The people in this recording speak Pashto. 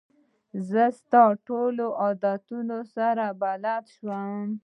زه ستا له ټولو عادتو سره بلده شوم.